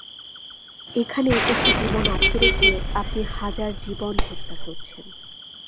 এখানে একটি জীবন আটকে রেখে, আপনি হাজার জীবন হত্যা করছেন।